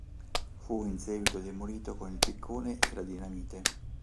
Fu in seguito demolito con il piccone e la dinamite.